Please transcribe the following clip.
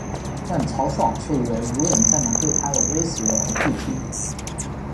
但曹爽却以为无人再能对他有威胁而不听。